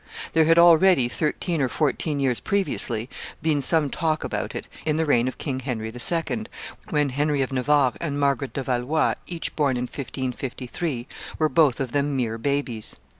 There had already, thirteen or fourteen years previously, been some talk about it, in the reign of King Henry II., when Henry of Navarre and Margaret de Valois, each born in 1553, were both of them mere babies.